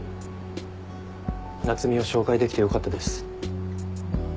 夏海を紹介できてよかったです。